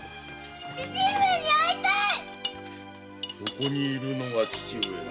そこにいるのが父上だ。